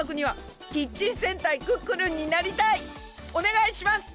おねがいします！